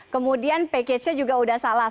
kemudian pakejnya juga udah salah